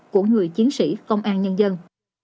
của người chiến sĩ công an nhân dân